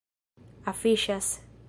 afiŝas